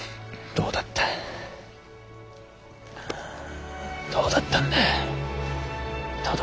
どうだったんだ？